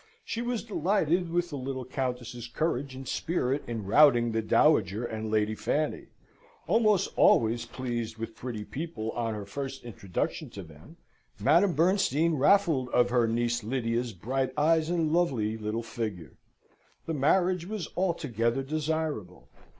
She was delighted with the little Countess's courage and spirit in routing the Dowager and Lady Fanny. Almost always pleased with pretty people on her first introduction to them, Madame Bernstein raffled of her niece Lydia's bright eyes and lovely little figure. The marriage was altogether desirable.